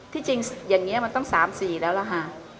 ที่จริงอย่างนี้มันต้อง๓๔แล้วล่ะค่ะ